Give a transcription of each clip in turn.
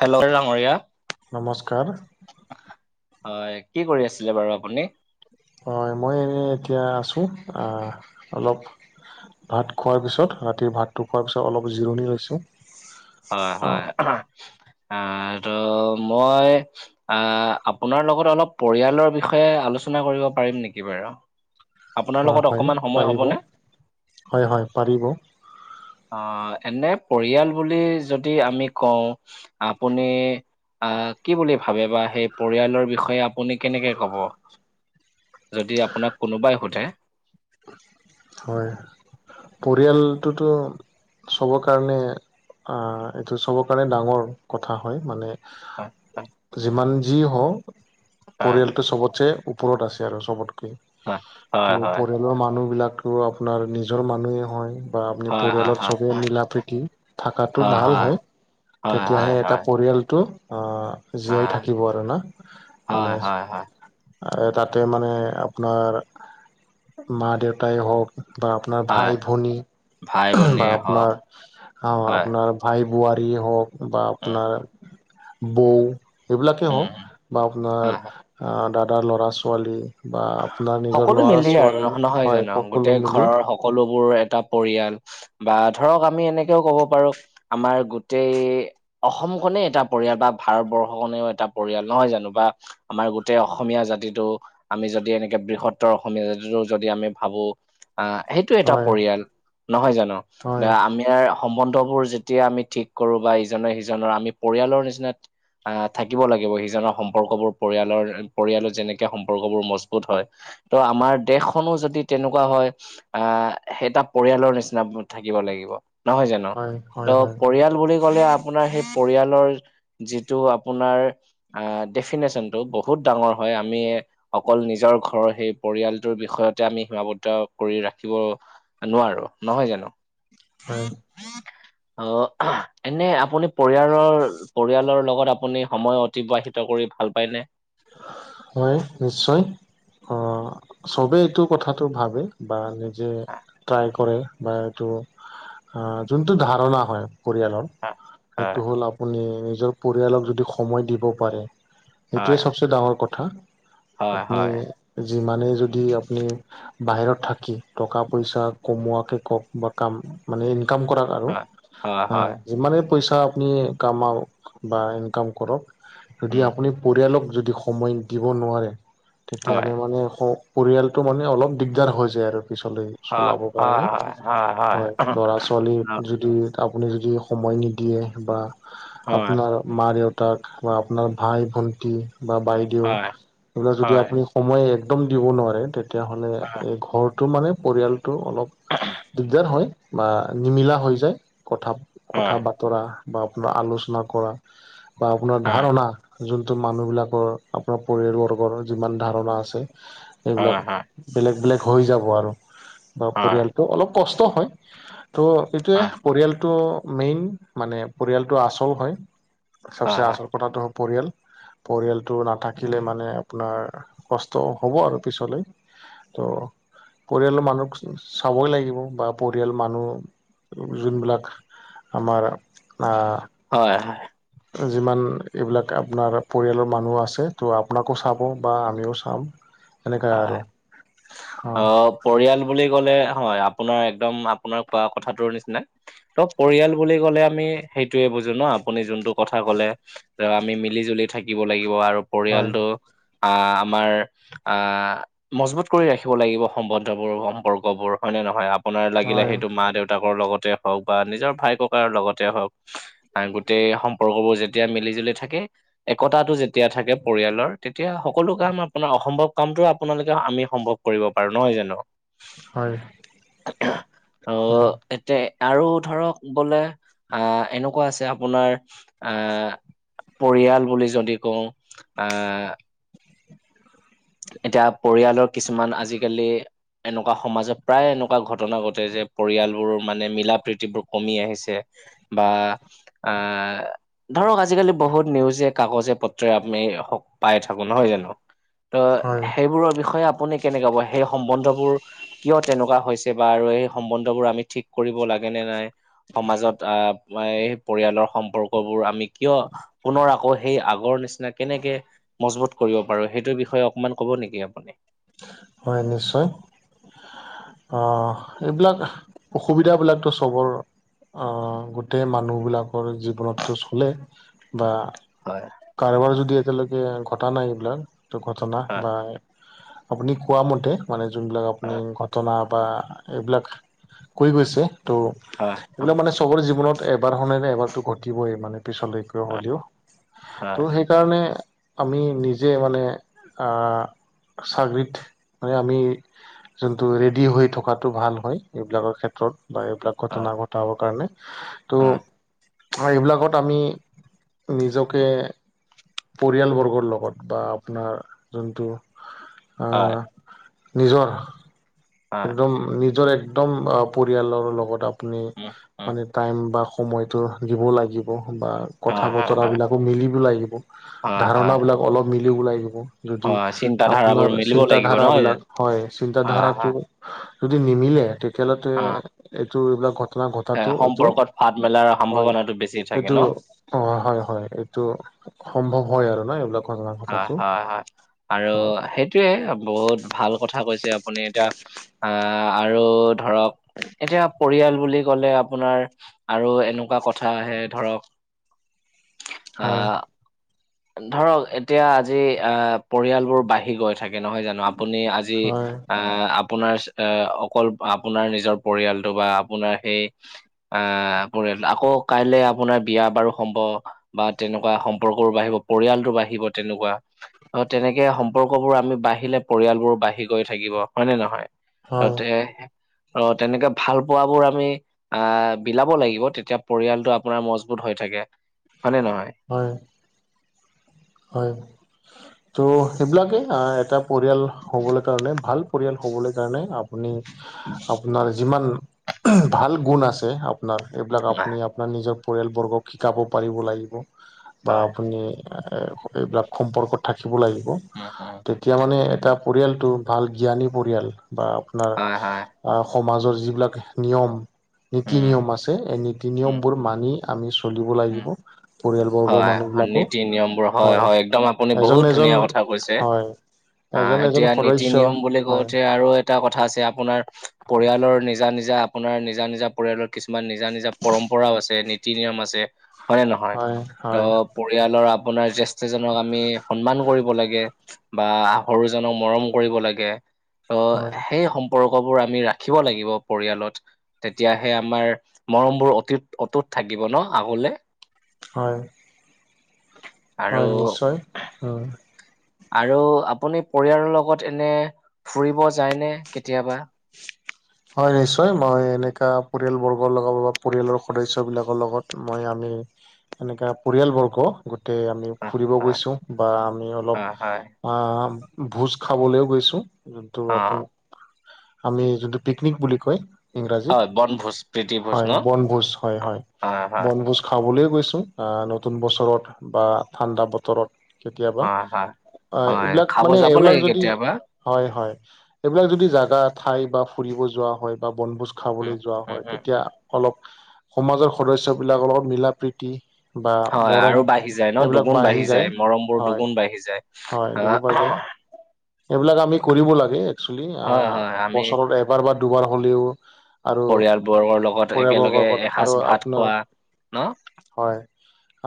Hello! ডাঙৰীয়া। নমস্কাৰ। হয়, কি কৰি আছিলে বাৰু আপুনি? হয়', মই এনে এতিয়া আছো, আ অলপ ভাত খোৱাৰ পিছত, ৰাতি ভাতটো খোৱাৰ পিছত, অলপ জিৰণি লৈছো। হয়, হয়, আ ত মই আ আপোনাৰ লগত অলপ পৰিয়ালৰ বিষয়ে আলোচনা কৰিব পাৰিম নেকি বাৰু? আপোনাৰ অ লগত হয় অকমান সময় পাৰিব হবনে? হয়', হয়', পাৰিব। অ' এনে পৰিয়াল বুলি যদি আমি কওঁ, আপুনি আ, কি বুলি ভাবে বা সেই পৰিয়ালৰ বিষয়ে আপুনি কেনেকে কব? যদি আপোনাক কোনোবাই সুধে হয়, পৰিয়ালটোতো চবৰ কাৰণে, আ এইটো চবৰ কাৰণে ডাঙৰ কথা হয়, মানে যিমান যি হওঁ হয় পৰিয়ালটো চবতছে ওপৰত আছে আৰু, চবতকে ত' হয়, হয় পৰিয়ালৰ মানুহ বিলাকটো আপোনাৰ নিজৰ মানুহেই হয়। বা আপুনি হয় হয় হয় পৰিয়ালৰ হয় চবে মিলা প্ৰীতি থাকাটো ভাল হয়। তেতিয়াহে হয় হয় হয় এটা হয় পৰিয়ালটো, আ জীয়াই হয় থাকিব আৰু না, হয় হয় হয় হয় মানে তাতে মানে আপোনাৰ মা দেউতাই হওক, বা আপোনাৰ ভাই হয়, ভনী, বা ভাই-ভনীয়ে হওক আপোনাৰ অ' হয়। আপোনাৰ ভাই বোৱাৰীয়ে হওক, বা উম, আপোনাৰ বৌ এইবিলাকেই উম, হওঁক, বা আপোনাৰ হয়, হয়। আ দাদাৰ ল'ৰা ছোৱালী বা আপোনাৰ নিজৰ সকলো ল'ৰা মিলি ছোৱালী নহয় হয় জানো? সকলো গোটেই মিলি ঘৰৰ সকলোবোৰ এটা পৰিয়াল। বা ধৰক আমি এনেকেও কব পাৰো, আমাৰ গোটেই অসম খনে এটা পৰিয়াল, বা ভাৰতবৰ্ষ খনেও এটা পৰিয়াল, নহয় জানো? বা আমাৰ গোটেই অসমীয়া জাতিটো আমি যদি এনেকে বৃহত্তৰ অসমীয়া জাতিটো যদি আমি ভাবো অ সেইটো এটা হয় পৰিয়াল নহয় জানো হয় দ আমি ইয়াৰ সম্বন্ধবোৰ যেতিয়া আমি ঠিক কৰো বা ইজনে সিজনৰ আমি পৰিয়ালৰ নিচিনা আ থাকিব লাগিব সিজনৰ সম্পৰ্কবোৰ পৰিয়ালৰ পৰিয়ালৰ যেনেকে সম সৰ্গবোৰ মজবুত হয় ত' আমাৰ দেশখনো যদি তেনেকুৱা হয় আ এটা পৰিয়ালৰ নিচিনা থাকিব লাগিব নহয় জানো হয় হয় ত হয় পৰিয়াল বুলি ক'লে আপোনাৰ সেই পৰিয়ালৰ যিটো আপোনাৰ ডেফিনেশচনটো বহুত ডাঙৰ হয় আমি অকল নিজৰ ঘৰৰ সেই পৰিয়ালটোৰ বিষয়তে আমি সীমাবদ্ধ কৰি ৰাখিব নোৱাৰো নহয় জানো হয় অ এনে আপুনি পৰিয়ালৰ পৰিয়ালৰ লগত আপুনি সময় অতিবাহিত কৰি ভাল পায়নে হয় নিশ্চয় অ চবে এইটো কথাটো ভাবে বা যে ট্ৰাই কৰে বা এইটো যোনটো ধাৰণা হয় পৰিয়ালৰ সেইটো হয় হ'ল আপুনি নিজৰ পৰিয়ালক যদি সময় দিব পাৰে সেইটোৱেই হয় চবচে ডাঙৰ কথা, হয় আপুনি হয় হয় যিমানেই যদি আপুনি বাহিৰত থাকি, টকা পইচা কমোৱাকে কওক বা কাম মানে ইনকাম কৰা আৰু হয়, যিমানেই পইচা আপুনি কামাওক বা ইনকাম কৰক উম যদি আপুনি পৰিয়ালক যদি সময় দিব নোৱাৰে, হয়, তেতিয়াহ'লে মানে স পৰিয়ালটো মানে অলপ দিগদাৰ হৈ যায় আৰু। পিছলৈ চলাবৰ কাৰণে, হয় লৰা ছোৱালী- যদি আপুনি যদি সময় নিদিয়ে বা, হয়, হয়, হয়, আপোনাৰ- মা দেউতাক বা আপোনাৰ ভাই ভন্টি বা বাইদেউ, এইবিলাক যদি হয়, হয়, আপুনি- সময় একদম দিব নোৱাৰে তেতিয়াহ'লে হয়, এই ঘৰটো মানে পৰিয়াল টো, অলপ দিগদাৰ হয় বা নিমিলা হৈ যায় কথা কথা হয়, ব বতৰা বা আপোনাৰ আলোচনা কৰা বা আপোনাৰ হয়, হয়, ধাৰণা - মানুহবিলাকৰ আপোনাৰ পৰিয়ালবৰ্গৰ যিমান ধাৰণা আছে হয়, সেইবিলাক- হয়, বেলেগ বেলেগ হৈ যাব আৰু, বা হয়, পৰিয়ালটো অলপ কষ্ট হয়, ত'- এইটোৱে পৰিয়ালটো মেইন মানে পৰিয়ালটো আচল হয় চবচে আচল- কথাটো হ'ল পৰিয়াল। পৰিয়ালটো নাথাকিলে মানে আপোনাৰ কষ্ট হ'ব আৰু পিছলৈ। ত'- পৰিয়ালৰ মানুহক চাবই লাগিব বা পৰিয়াল মানুহ যোনবিলাক- আমাৰ হয়, আহ, যিমান এইবিলাক- আপোনাৰ পৰিয়ালৰ মানুহ আছে ত' আপোনাকো চাব বা আমিও চাম। এনেকুৱা আৰু, হয়, অ। পৰিয়াল বুলি ক'লে হয় আপোনাৰ একদম আপোনাৰ কোৱা কথাটোৰ নিচিনা। ত পৰিয়াল বুলি ক'লে আমি সেইটোয়ে বুজো ন আপুনি যোনটো কথা ক'লে। আমি মিলি জুলি থাকিব লাগিব আৰু হয় পৰিয়ালটো, আহ আমাৰ- আহ মজবুত কৰি ৰাখিব লাগিব সম্বন্ধ বোৰ সম্পৰ্ক বোৰ হয়নে নহয়- আপোনাৰ লাগিলে হয় সেইটো মা দেউতাকৰ লগতে হওক বা নিজৰ ভাই ককাৰ লগতে হওক- আহ গোটেই সম্পৰ্কবোৰ যেতিয়া মিলি জুলি থাকে। একতাটো যেতিয়া থাকে পৰিয়ালৰ তেতিয়া সকলো কাম আপোনাৰ অসম্ভৱ- কামো আপোনালোকে আমি সম্ভৱ কৰিব পাৰো নহয় জানো। হয়। অ। হয় এতিয়া আৰু ধৰক বোলে আহ এনেকুৱা আছে আপোনাৰ- আহ, পৰিয়াল বুলি যদি কওঁ আহ- এতিয়া পৰিয়ালৰ কিছুমান আজিকালি- এনেকুৱা সমাজত প্ৰায় এনেকুৱা ঘটনা ঘটে যে পৰিয়ালবোৰ মানে মিল প্ৰীতি বোৰ কমি আহিছে- বা আ- ধৰক আজিকালি বহুত নিউজে কাগজে পত্ৰয়ে আমি পাই থাকো নহয় জানো। ত হয় সেইবোৰৰ বিষয়ে আপুনি কেনেকা ক সেই সম্বন্ধবোৰ- কিয় তেনেকুৱা হৈছে বা আৰু এই সম্বন্ধ বোৰ আমি ঠিক কৰিব লাগে নে নাই- সমাজত আহ পৰিয়ালৰ সম্পৰ্ক বোৰ আমি- কিয় পুনৰ আকৌ সেই আগৰ নিচিনা কেনেকে মজবুত কৰিব পাৰো সেইটোৰ বিষয়ে- অকণমান ক'ব নেকি আপুনি? হয় নিশ্চয়। অ এইবিলাক অসুবিধা বিলাকতো চবৰ। আহ গোটেই মানুহবিলাকৰ জীৱনতটো চলে বা- হয়। কাৰোবাৰ যদি এতিয়ালৈকে ঘটা নাই এইবিলাক ঘটনা হয় বা- আপুনি কোৱা মতে মানে যোনবিলাক আপুনি হয় ঘটনা- বা এইবিলাক, কৰি গৈছে হয় ত' এইবিলাক মানে চবৰে জীৱনত। তই এবাৰ শুনানে এবাৰতো ঘটিবই মানে পিছলৈকে হয় হ'লেও। হয় ত' সেইকাৰণে আমি নিজে মানে আ চাকৰিত মানে আমি যোনটো ৰেডি হৈ থকাটো ভাল হয় এইবিলাকৰ ক্ষেত্ৰত। বা এইবিলাক ঘটনা ঘটাবৰ কাৰণে হয় ত' হয় এইবিলাকত আমি নিজকে পৰিয়ালবৰ্গৰ লগত বা আপোনাৰ যোনটো আ হায়। নিজৰ হয় একদম নিজৰ একদম আ পৰিয়ালৰ লগত আপুনি উম উম মানে টাইম বা সময়টো দিব লাগিব বা কথা হয় হয় হয় বতৰাবিলাকো মিলিব লাগিব হয় হয় ধাৰণাবিলাক অলপ মিলি ওলাই দিব যদি হয় চিন্তাধাৰাবোৰ আপোনাৰ মিলিব লাগিব নহয় চিন্তাধাৰাবিলাক জানো হয় হয় হয় চিন্তাধাৰাটো যদি নিমিলে তেতিয়াহলেটো এ হয় এইটো এইবিলাক ঘ টনা এ ঘটাটো এইটো, সম্পৰ্কত ফাট মেলাৰ হয় সম্ভাৱনাটো বেছি থাকে এইটো ন অ হয় হয় এইটো সম্ভৱ হয় আৰু ন এইবিলাক ঘটনা হা ঘটাটো হা হা আৰু হয় সেইটোয়ে বহুত ভাল কথা কৈছে আপুনি এতিয়া আহ আৰু ধৰক এতিয়া পৰিয়াল বুলি কলে আপোনাৰ আৰু এনেকুৱা কথা আহে ধৰক আ হয় ধৰক এতিয়া আজি আহ পৰিয়ালবোৰ বাঢ়ি গৈ থাকে নহয় জান ন আপুনি আজি হয় আহ আ পোনাৰ এ অকল আপোনাৰ নিজৰ পৰিয়ালটো বা আপোনাৰ সেই আহ পৰিয়াল আকৌ কাইলে আপোনাৰ বিয়া বাৰু সম্ভ বা তেনেকুৱা সম্পৰ্ক বাঢ়িব, পৰিয়ালটো বাঢ়িব তেনেকুৱা অ তেনেকে সম্পৰ্কবোৰ আমি বাঢ়িলে পৰিয়ালবোৰ বাঢ়ি গৈ থাকিব হয় নে নহয়? হয় ততে অ তেনেকে ভাল পোৱাবোৰ আমি আহ বিলাব লাগিব তেতিয়া পৰিয়ালটো আপোনাৰ মজবুত হৈ থাকে হয়নে নহয়? অ। হয়। ত' সেইবিলাকে আ এটা পৰিয়াল হ'বলৈ কাৰণে ভাল পৰিয়াল হ'বলৈ কাৰণে আপ পুনি আপোনাৰ যিমান আহ ভাল গুণ আছে আপোনাৰ এইবিলাক আপুনি আ পোনাৰ নিজৰ পৰিয়ালবৰ্গক শিকাব পাৰিব লাগিব বা হয় আপুনি আ এ এইবিলাক সম্পৰ্কত থাকিব লাগিব উম উম তেতিয়া মানে এটা পৰিয়ালটো ভাল জ্ঞানী পৰিয়াল বা আপোনাৰ হয় হয় অ সমাজৰ যিবিলাক নিয়ম, নীতি - নিয়ম উম আছে এই নীতি - উম নিয়মবোৰ মানি আমি চলিব উম লাগিব। পৰিয়ালবৰ্গৰ হয়, মানুহবিলাকো নীতি - নিয়মবোৰ হয় হয় একদম আপুনি এজন বহুত এজন ধুনীয়া কথা কৈছে। হয় আ, এজন এজন এতিয়া নীতি সদস্য - নিয়ম বুলি হয় কওঁতে আৰু এটা কথা আছে আপোনাৰ পৰিয়ালৰ নিজা - নিজা আপোনাৰ নিজা - নিজা পৰিয়ালৰ কিছুমান নিজা-নিজা পৰম্পৰাও আছে, নীতি - নিয়ম আছে হয় নে নহ হয়-হয়। পৰিয়ালৰ আপোনাৰ জেষ্ঠ্যজনক আমি সন্মান কৰিব লাগে বা সৰুজনক মৰম কৰিব লাগে ত হয় সেই সম পৰ্কবোৰ আমি ৰাখিব লাগিব পৰিয়ালত। তেতিয়াহে আমাৰ মৰম বোৰ অতুত-অতুত থাকিব ন' আগলে। হয়। আৰু হয় নিশ্চয়, উমঁ। আৰু আপুনি পৰিয়ালৰ লগত এনে ফুৰিব যায়নে কেতিয়াবা? হয় নিশ্চয়, মই এনেকা পৰিয়ালবৰ্গৰ লগত বা পৰিয়ালৰ সদস্যবিলাকৰ লগত মই আমি এনেকা পৰিয়ালবৰ্গ গোটেই আমি আহ ফুৰিব আহ গৈছো বা আমি হয় হয় অলপ আহ' ভোজ খাবলৈও গৈছো। যোনটো অ আপুনি, আমি যোনটো পিকনিক বুলি কয়। ইংৰাজীত, হয় বনভোজ প্ৰীতিভোজ হয় ন বনভোজ হয় হয়, বনভোজ খাবলৈ গৈছো নতুন বছৰত বা ঠাণ্ডা বতৰত কেতিয়াবা হয় হয় অ, হয় এইবিলাক খাব মানে যাব এইবিলাক লাগে যদি কেতিয়াবা হয় হয়, এইবিলাক যদি জাগা ঠাই বা ফুৰিব যোৱা হয় বা বনভোজ উম খাবলৈ যোৱা উম হয়। উম তেতিয়া অলপ সমাজৰ সদস্য বিলাকৰ লগত মিলা প্ৰীতি বা হয় আৰু মৰম বাঢ়ি যায় ন এইবিলাক দুগুণ বাঢ়ি যায়, মৰমবোৰ হয়। দুগুণ বাঢ়ি যায়। হয়, আহ, [unintelligible] যায় এইবিলাক আমি কৰিব লাগে একচেলি হয় আহ' হয় আমি বছৰৰ এবাৰ বা দুবাৰ হ'লেও। আৰু পৰিয়ালবৰ্গৰ লগত একেলগে পৰিয়ালবৰ্গৰ এসাঁজ আৰু ভাত আপোনাৰ, খোৱা ন হয়।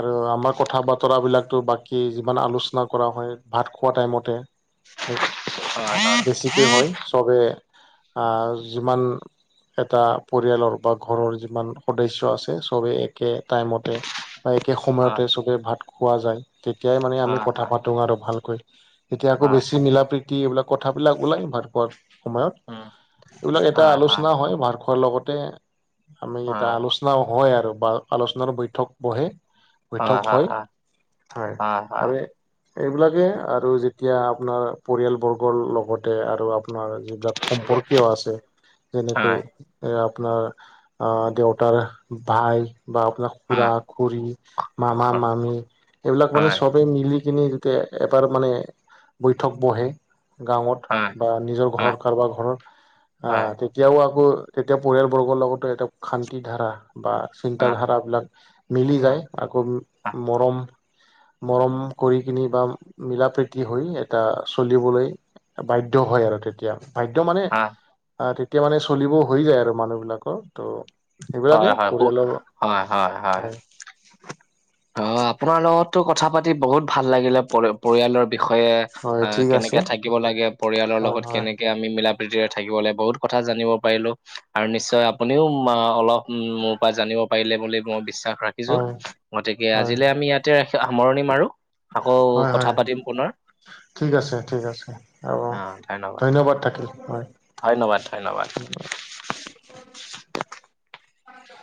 আৰু আমাৰ কথা বতৰা বিলাকতো বাকী যিমান আলোচনা কৰা হয় ভাত খোৱা টাইমতে হয় বেছিকৈ হয় চবে আহ' যিমান এটা পৰিয়ালৰ বা ঘৰৰ যিমান সদস্য আছে চবেই একে টাইমতে বা একে হয় সময়তে চবে ভাত খোৱা যায়। তেতিয়াই মানে আমি হয় হয় কথা হয় পাতো আৰু ভালকৈ। এতিয়া আকৌ হয় বেছি মিলা প্ৰীতি এইবিলাক কথাবিলাক ওলাই ভাতখোৱাত সময়ত। উম এইবিলাক এটা আলোচনা হয় ভাত খোৱাৰ লগতে আমি এটা হয় আলোচনা আলোচনা হয় আৰু বা আলোচনাৰ বৈঠক বহে। বৈথক হয়, হয় আমি এইবিলাকেই আৰু যেতিয়া আপোনাৰ পৰিয়ালবৰ্গৰ লগতে আৰু আপোনাৰ যিবিলাক সম্পৰ্কীয় আছে যেনেকৈ হয় এ, আপোনাৰ আহ' দেউতাৰ ভাই বা আপোনাৰ হয় খুৰা-খুৰি, হয় মামা-মামি এইবিলাক মানে হয় হয় চবেই মিলি কিনি যেতিয়া এবাৰ মানে বৈঠক বহে হয় গাঁৱত হয় বা নিজৰ হয় ঘৰত কাৰোবাৰ ঘৰৰ আহ' হয় তেতিয়াও আকৌ তেতিয়া পৰিয়ালবৰ্গৰ লগতো এটা শান্তি ধাৰা বা চিন্তাধাৰাবিলাক মিলি হয় যায় আকৌ হয় মৰম- মৰম কৰি কিনি বা মিলা প্ৰীতি হৈ এটা চলিবলৈ বাধ্য হয় আৰু তেতিয়া। বাধ্য মানে হয় আহ' তেতিয়া মানে চলিবও হৈ যায় আৰু মানুহ বিলাকৰ ত' হয় সেইবিলাকে হয় পু পৰিয়ালৰ, হয়। অ, আপোনাৰ লগততো কথা পাতি বহুত ভাল লাগিলে প পৰিয়ালৰ বিষয়ে হয় আহ' ঠিক আছে কেনেকে থাকিব লাগে পৰিয়ালৰ হয় লগত হয় কেনেকে আমি মিলা প্ৰীতিৰে থাকিব লাগে। বহুত কথা জানিব পাৰিলো আৰু নিশ্চয় আপুনিও অলপ উমঁ' মোৰ পৰা জানিব পাৰিলে বুলি মই বিশ্বাস ৰাখিছো। হয় গতিকে হয় আজিলৈ আ আমি ইয়াতে ৰাখি সামৰণি মাৰো আকৌ হয় হয় কথা পাতিম পুণৰ। ঠিক আছে ঠিক আছে হ'ব, ধন্যবাদ থাকিল হয়। ধন্যবাদ, ধন্যবাদ।